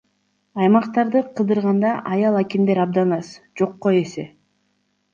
Аймактарды кыдырганда аял акимдер абдан аз, жокко эсе.